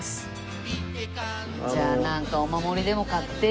じゃあなんかお守りでも買って。